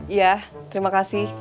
iya terima kasih